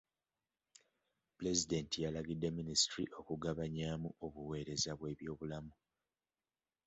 Pulezidenti yalagidde minisitule okugabanyaamu obuweereza by'ebyobulamu.